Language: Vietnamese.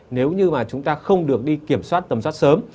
nếu như mà chúng ta không được đi kiểm soát tầm soát sớm